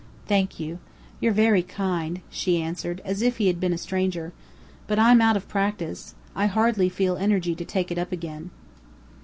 "Thank you. You're very kind," she answered, as if he had been a stranger. "But I'm out of practice. I hardly feel energy to take it up again."